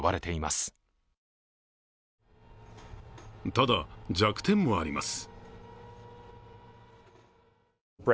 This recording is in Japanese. ただ、弱点もあります。